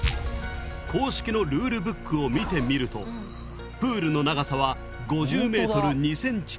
公式のルールブックを見てみるとプールの長さは５０ｍ２ｃｍという記載が。